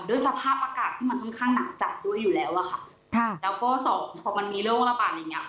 ด้วยสภาพอากาศที่มันค่อนข้างหนักจักรด้วยอยู่แล้วอะค่ะค่ะแล้วก็ส่วนพอมันนี้เริ่มโรงการ์ปาร์ตอย่างเงี้ย